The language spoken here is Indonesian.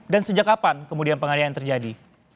dan sejak kapan kemudian penganiayaan terjadi